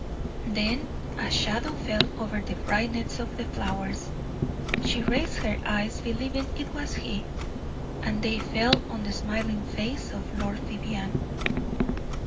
Then a shadow fell over the brightness of the flowers. She raised her eyes, believing it was he, and they fell on the smiling face of Lord Vivianne.